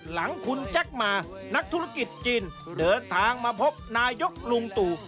หลังคุณแจ็คมานักธุรกิจจีนเดินทางมาพบนายกลุงตู่